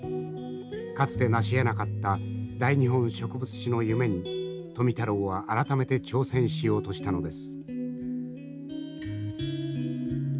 かつてなしえなかった「大日本植物志」の夢に富太郎は改めて挑戦しようとしたのです。